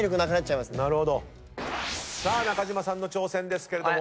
中島さんの挑戦ですけれども。